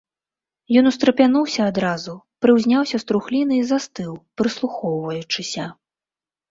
Ён устрапянуўся адразу, прыўзняўся з трухліны і застыў, прыслухоўваючыся.